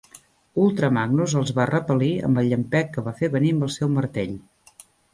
Ultra Magnus els va repel·lir amb el llampec que va fer venir amb el seu martell.